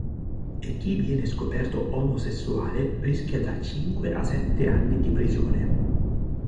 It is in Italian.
E chi viene scoperto omosessuale, rischia da cinque a sette anni di prigione.